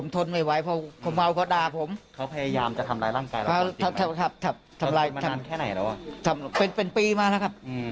ทำร้ายเขามัน